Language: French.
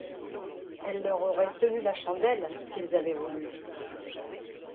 Elle leur aurait tenu la chandelle, s'ils avaient voulu.